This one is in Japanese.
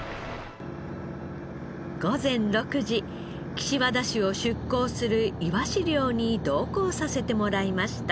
午前６時岸和田市を出港するいわし漁に同行させてもらいました。